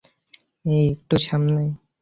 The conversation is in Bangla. এই একটু সামনেই।